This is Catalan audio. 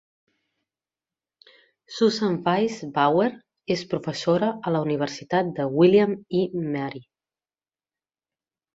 Susan Wise Bauer és professora a la universitat de William i Mary.